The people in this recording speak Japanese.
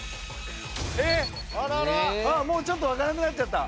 あっもうちょっとわからなくなっちゃった。